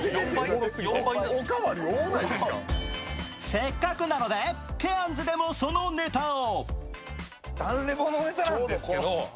せっかくなのでケアンズでもそのネタを。